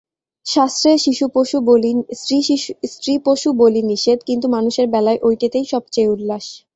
শাস্ত্রে স্ত্রীপশু-বলি নিষেধ, কিন্তু মানুষের বেলায় ঐটেতেই সব চেয়ে উল্লাস।